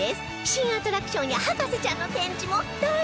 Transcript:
新アトラクションや博士ちゃんの展示も大人気！